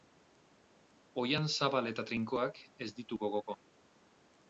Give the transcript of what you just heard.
Oihan zabal eta trinkoak ez ditu gogoko.